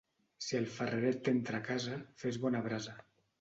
Si el ferreret t'entra a casa, fes bona brasa.